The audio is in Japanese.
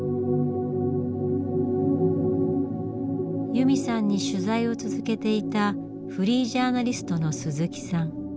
由美さんに取材を続けていたフリージャーナリストの鈴木さん。